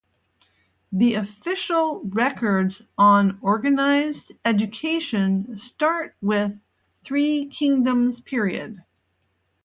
The official records on organised education start with Three Kingdoms period.